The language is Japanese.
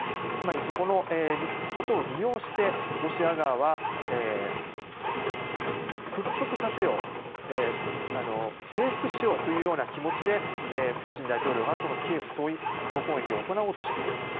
つまり、そこのことを利用してロシア側は屈伏させよう征服しようというような気持ちでプーチン大統領はキエフ総攻撃を行おうとしている。